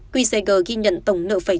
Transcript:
qcg ghi nhận tổng nợ phẩy